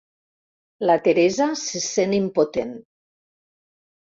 La Teresa se sent impotent.